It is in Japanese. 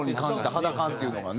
肌感っていうのがね。